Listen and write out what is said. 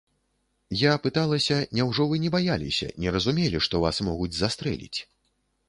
Я пыталася, няўжо вы не баяліся, не разумелі, што вас могуць застрэліць?